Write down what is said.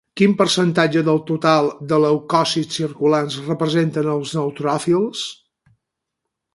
Quin percentatge del total de leucòcits circulants representen els neutròfils?